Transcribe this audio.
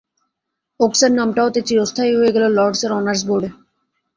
ওকসের নামটাও তাই চিরস্থায়ী হয়ে গেল লর্ডসের অনার্স বোর্ডে।